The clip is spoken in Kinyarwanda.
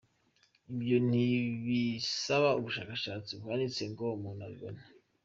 Ibyo ntibisaba ubushakashatsi buhanitse ngo umuntu abibone.